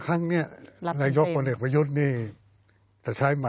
ก็ไม่รู้มันไปได้ดีแค่ไหนนะ